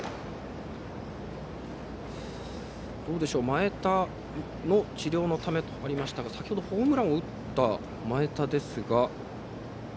前田の治療のためとありましたが先ほどホームランを打った前田ですが。